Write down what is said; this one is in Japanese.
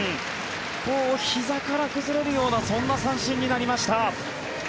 ひざから崩れるようなそんな三振になりました。